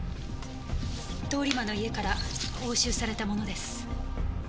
通り魔の家から押収されたものです。